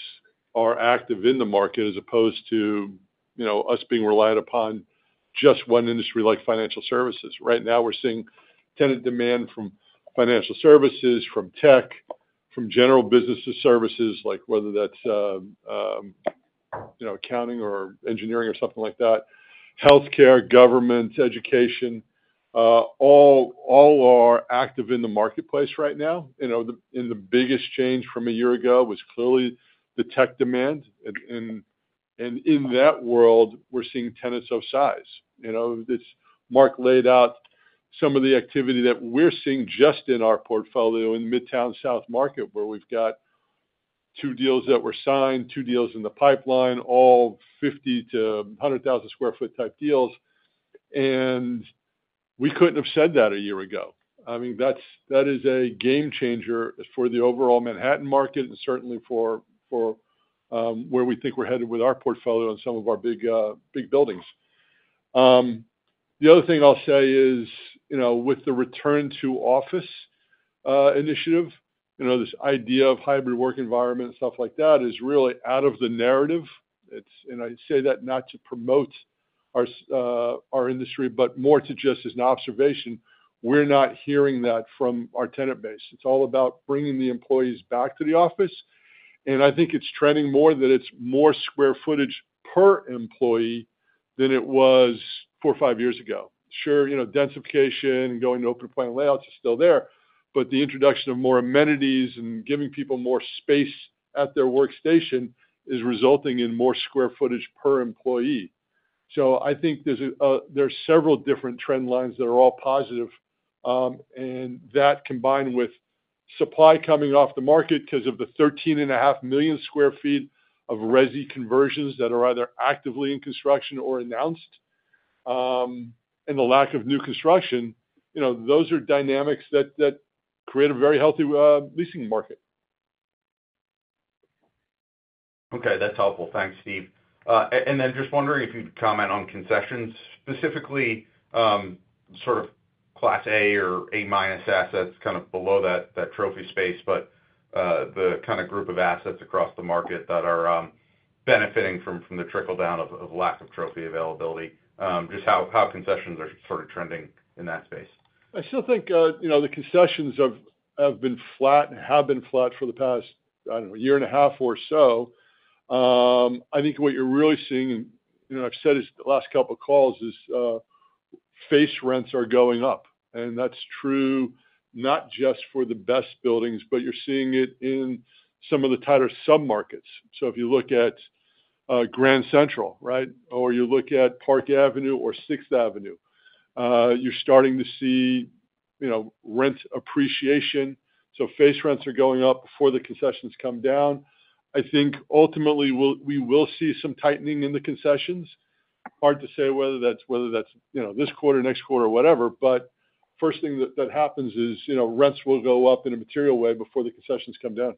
are active in the market as opposed to, you know, us being relied upon just one industry like financial services. Right now we're seeing tenant demand from financial services, from tech, from general businesses services, like whether that's accounting or engineering or something like that, healthcare, government, education, all are active in the marketplace right now. The biggest change from a year ago was clearly the tech demand. And in that world we're seeing tenants of size. Mark laid out some of the activity that we're seeing just in our portfolio in Midtown South Market where we've got two deals that were signed, two deals in the pipeline, all 50 to 100,000 square foot type deals. And we couldn't have said that a year ago. I mean, that's that is a game changer for the overall Manhattan market and certainly for for where we think we're headed with our portfolio and some of our big big buildings. The other thing I'll say is with the return to office initiative, this idea of hybrid work environment and stuff like that is really out of the narrative. And I say that not to promote our our industry, but more to just as an observation. We're not hearing that from our tenant base. It's all about bringing the employees back to the office. And I think it's trending more that it's more square footage per employee than it was four or five years ago. Sure, you know, densification, going to open plan layouts is still there, but the introduction of more amenities and giving people more space at their workstation is resulting in more square footage per employee. So I think there's several different trend lines that are all positive. And that combined with supply coming off the market because of the 13,500,000 square feet of resi conversions that are either actively in construction or announced and the lack of new construction, those are dynamics that create a very healthy leasing market. Okay, that's helpful. Thanks, Steve. And then just wondering if you could comment on concessions, specifically sort of Class A or A minus assets kind of below that trophy space, but the kind of group of assets across the market that are benefiting from the trickle down of lack of trophy availability? Just how concessions are sort of trending in that space. I still think the concessions have been flat and have been flat for the past year and a half or so. I think what you're really seeing, you know, I've said this last couple of calls is face rents are going up. And that's true not just for the best buildings, but you're seeing it in some of the tighter sub markets. So if you look at Grand Central, right? Or you look at Park Avenue or Sixth Avenue, you're starting to see rent appreciation. So face rents are going up before the concessions come down. I think ultimately we will see some tightening in the concessions. Hard to say whether that's whether that's, you know, this quarter, next quarter, whatever. But first thing that that happens is, you know, rents will go up in a material way before the concessions come down.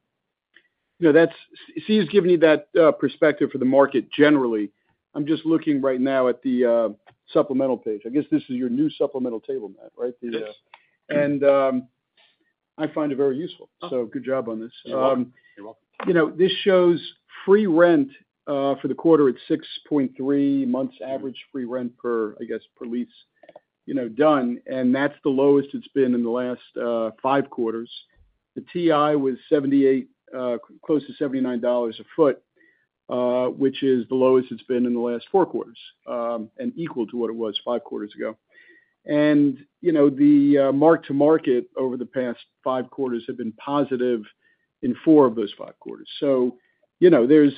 Yeah. That's see, he's given you that, perspective for the market generally. I'm just looking right now at the, supplemental page. I guess this is your new supplemental table, Matt. Right? And I find it very useful. So good job on this. You're welcome. You know, this shows free rent for the quarter at 6.3 months average free rent per, I guess, per lease, done. And that's the lowest it's been in the last five quarters. The TI was close to $79 a foot, which is the lowest it's been in the last four quarters and equal to what it was five quarters ago. And the mark to market over the past five quarters have been positive in four of those five quarters. So there's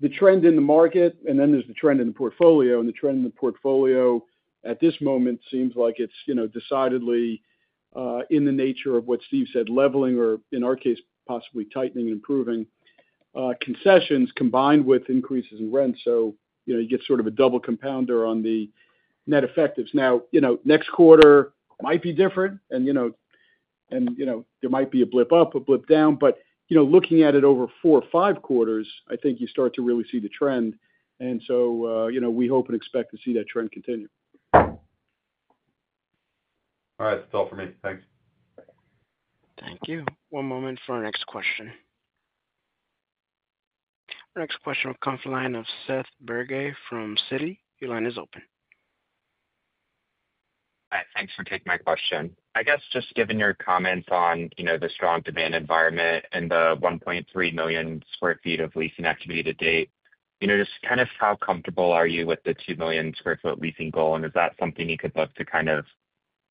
the trend in the market and then there's the trend in the portfolio. And the trend in the portfolio at this moment seems like it's decidedly in the nature of what Steve said leveling or in our case possibly tightening and improving concessions combined with increases in rents. So you get sort of a double compounder on the net effectives. Next quarter might be different and there might be a blip up or blip down. But looking at it over four or five quarters, I think you start to really see the trend. And so we hope and expect to see that trend continue. All right. That's all for me. Thanks. Thank you. One moment for our next question. Our next question will come from the line of Seth Berge from Citi. Your line is open. Hi, thanks for taking my question. I guess just given your comments on the strong demand environment and the 1,300,000 square feet of leasing activity to date, just kind of how comfortable are you with the 2,000,000 square foot leasing goal? Is that something you could look to kind of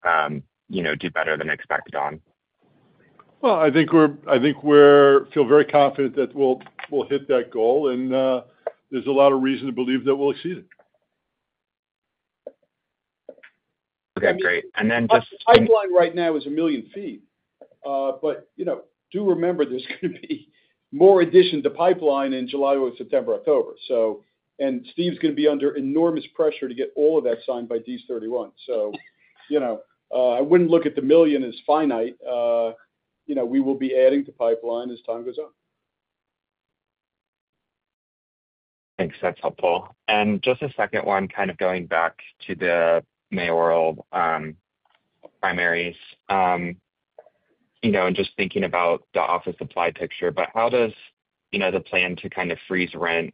do better than expected on? Well, think feel very confident that we'll hit that goal. And there's a lot of reason to believe that we'll exceed it. Okay, great. And then just The pipeline right now is a million feet. But, you know, do remember there's going to be more addition to pipeline in July, October. So, and Steve's going be under enormous pressure to get all of that signed by DS31. So, you know, I wouldn't look at the million as finite. You know, we will be adding to pipeline as time goes on. Thanks. That's helpful. And just a second one, kind of going back to the mayoral primaries. You know, and just thinking about the office supply picture, but how does, the plan to kind of freeze rent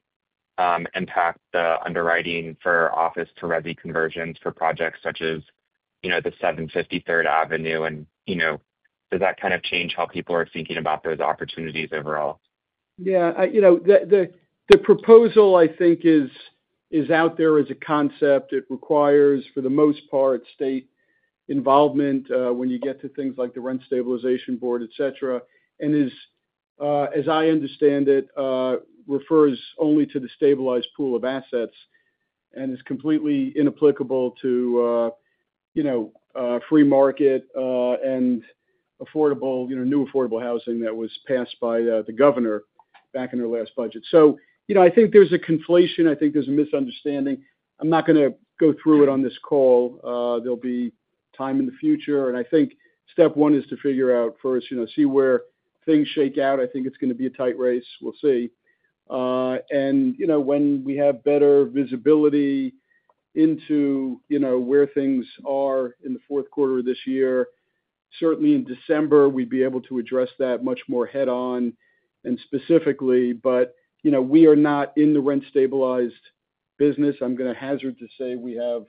impact the underwriting for office to resi conversions for projects such as the 750 Third Avenue? And does that kind of change how people are thinking about those opportunities overall? Yeah, the proposal I think is out there as a concept. It requires for the most part state involvement when you get to things like the rent stabilization board, etcetera. And as I understand it, refers only to the stabilized pool of assets and is completely inapplicable to free market and affordable, new affordable housing that was passed by the governor back in her last budget. So I think there's a conflation. I think there's a misunderstanding. I'm not going to go through it on this call. There'll be time in the future. And I think step one is to figure out first, see where things shake out. I think it's going to be a tight race. We'll see. And when we have better visibility into where things are in the fourth quarter of this year, certainly in December, we'd be able to address that much more head on and specifically, but we are not in the rent stabilized business. I'm going to hazard to say we have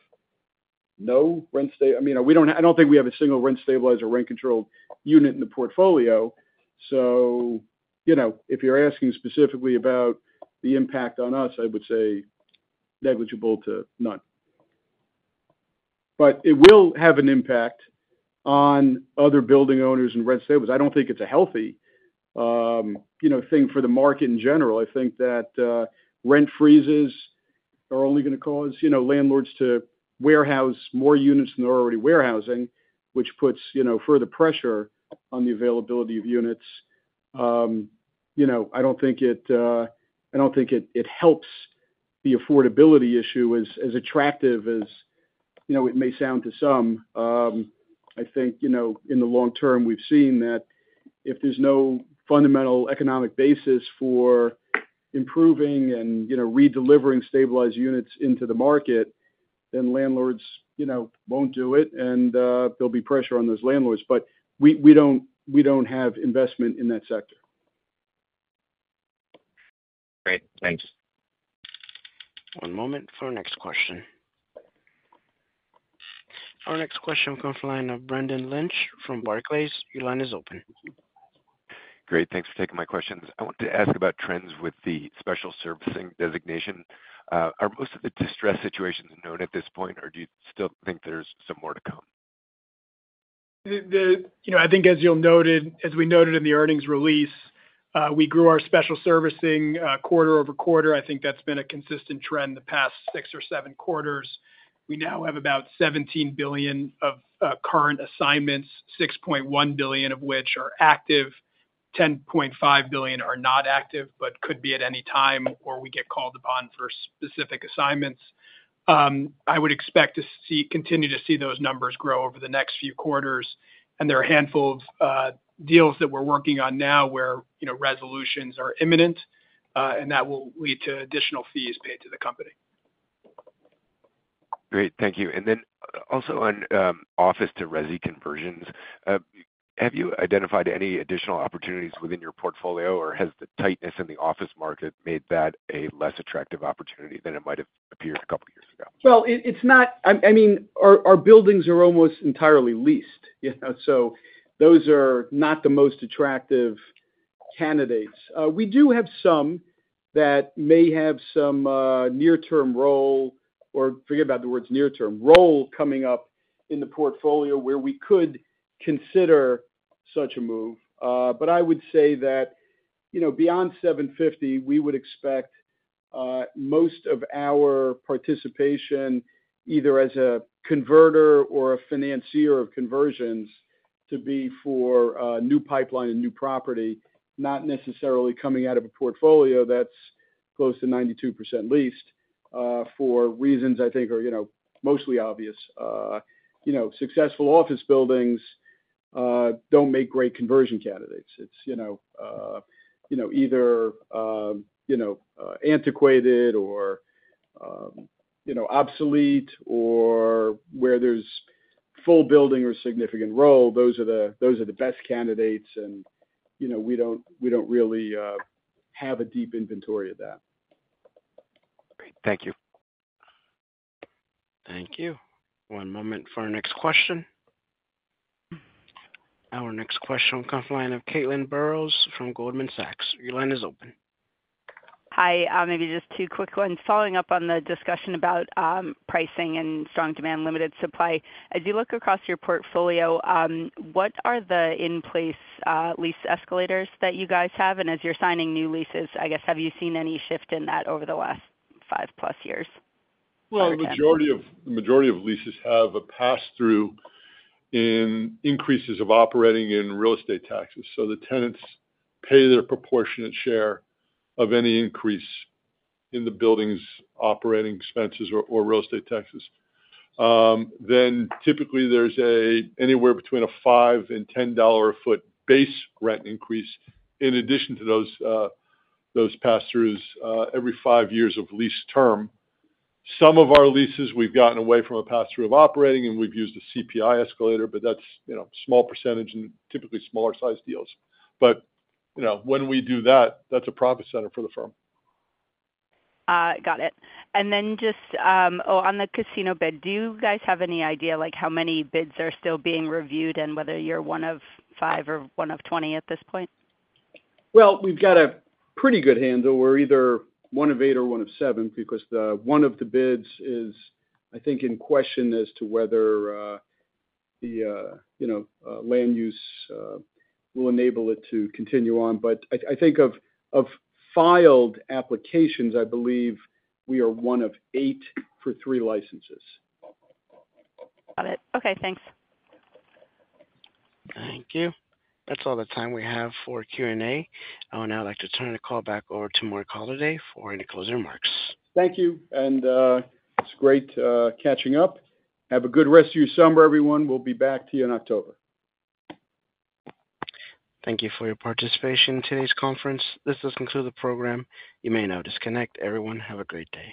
no rent stay. I I don't think we have a single rent stabilized or rent controlled unit in the portfolio. So if you're asking specifically about the impact on us, would say negligible to none. But it will have an impact on other building owners and rent savings. I don't think it's a healthy thing for the market in general. I think that rent freezes are only going to cause landlords to warehouse more units than they're already warehousing, which puts further pressure on the availability of units. I don't think it helps the affordability issue as attractive as it may sound to some. I think in the long term, we've seen that if there's no fundamental economic basis for improving and redelivering stabilized units into the market, then landlords won't do it and there'll be pressure on those landlords. But we have investment in that sector. Great. Thanks. One moment for our next question. Our next question comes from the line of Brandon Lynch from Barclays. Your line is open. I want to ask about trends with the special servicing designation. Are most of the distressed situations known at this point or do you still think there's some more to come? I think as you'll noted, as we noted in the earnings release, we grew our special servicing quarter over quarter. I think that's been a consistent trend the past six or seven quarters. We now have about $17,000,000,000 of current assignments, 6,100,000,000.0 of which are active, 10,500,000,000 are not active, but could be at any time or we get called upon for specific assignments. I would expect to see continue to see those numbers grow over the next few quarters. And there are a handful of deals that we're working on now where resolutions are imminent and that will lead to additional fees paid to the company. Great. Thank you. And then also on office to resi conversions, have you identified any additional opportunities within your portfolio or has the tightness in the office market made that a less attractive opportunity than it might have appeared a couple of years ago? Well, it's not, I mean, our buildings are almost entirely leased. Those are not the most attractive candidates. We do have some that may have some near term role or forget about the words near term, role coming up in the portfolio where we could consider such a move. But I would say that, you know, beyond July, we would expect most of our participation, as a converter or a financier of conversions to be for new pipeline and new property, not necessarily coming out of a portfolio that's close to 92% leased for reasons I think are mostly obvious. Successful office buildings don't make great conversion candidates. It's either antiquated or obsolete or where there's full building or significant role. Those are the best candidates and we don't really have a deep inventory of that. Great, thank you. Thank you. One moment for our next question. Our next question comes from the line of Caitlin Burrows from Goldman Sachs. Your line is open. Hi. Maybe just two quick ones. Following up on the discussion about pricing and strong demand limited supply, As you look across your portfolio, what are the in place lease escalators that you guys have? As you're signing new leases, have you seen any shift in that over the last five plus years? Well, majority of leases have a pass through in increases of operating and real estate taxes. So the tenants pay their proportionate share of any increase in the building's operating expenses or real estate taxes. Then typically there's anywhere between a $5 and $10 a foot base rent increase in addition to those pass throughs every five years of lease term. Some of our leases we've gotten away from a pass through of operating and we've used a CPI escalator, but that's a small percentage and typically smaller sized deals. But when we do that, that's a profit center for the firm. Got it. And then just oh, on the casino bid, do you guys have any idea, like, how many bids are still being reviewed and whether you're one of five or one of 20 at this point? Well, we've got a pretty good handle. We're either one of eight or one of seven because one of the bids is, I think, in question as to whether the land use will enable it to continue on. But I think filed applications, I believe we are one of eight for three licenses. Got it. Okay. Thanks. Thank you. That's all the time we have for Q and A. I would now like to turn the call back over to Mark Holliday for any closing remarks. Thank you, and it's great catching up. Have a good rest of your summer, everyone. We'll be back to you in October. Thank you for your participation in today's conference. This does conclude the program. You may now disconnect. Everyone, have a great day.